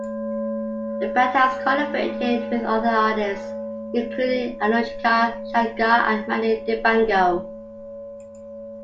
The band has collaborated with other artists, including Anoushka Shankar and Manu Dibango.